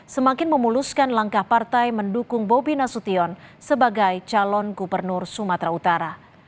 semakin memuluskan langkah partai mendukung bobi nasution sebagai calon gubernur sumatera utara